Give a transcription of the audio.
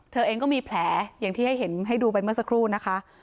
เธอเองก็มีแผลอย่างที่ให้เห็นให้ดูไปเมื่อสักครู่นะคะ